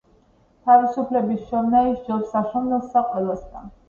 „თავისუფლების შოვნაი სჯობს საშოვნელსა ყველასა.“